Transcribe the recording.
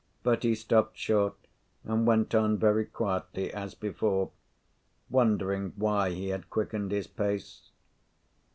But he stopped short, and went on very quietly as before, wondering why he had quickened his pace.